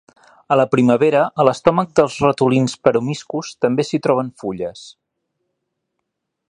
A la primavera, a l'estomac dels ratolins peromyscus també s'hi troben fulles.